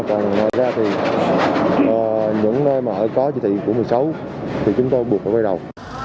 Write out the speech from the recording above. còn ngoài ra thì những nơi mà có chỉ thị của một mươi sáu thì chúng tôi buộc phải quay đầu